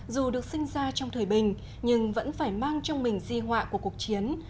dù được sinh ra trong thời bình nhưng vẫn phải mang trong mình di họa của cuộc chiến